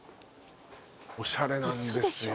おしゃれなんですよ。